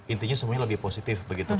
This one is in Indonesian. intinya semuanya lebih positif begitu